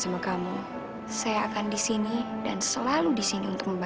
kok aku bisa tahu sih